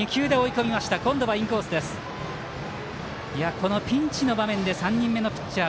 このピンチの場面で３人目のピッチャー